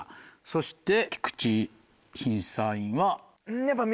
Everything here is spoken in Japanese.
そして菊池審査員は。何すか？